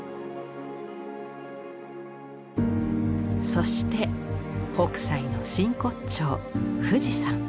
そして北斎の真骨頂富士山。